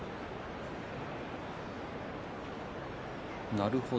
なるほど。